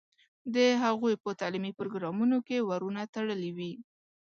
د هغوی په تعلیمي پروګرامونو کې ورونه تړلي وي.